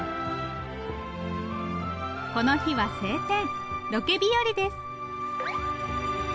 この日は晴天ロケ日和です。